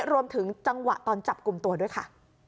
รวมถึงจังหวะตอนจับกลุ่มตัวด้วยค่ะ